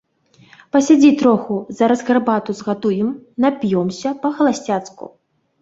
Пасядзі троху, зараз гарбату згатуем, нап'ёмся па-халасцяцку.